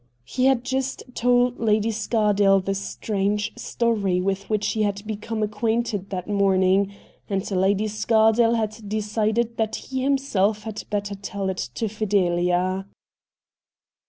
,He had just told Lady Scardale the strange story with which he had become acquainted that morning, and Lady Scardale had decided that he himself had better tell it to Fidelia.